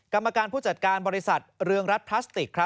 กรรมการผู้จัดการบริษัทเรืองรัฐพลาสติก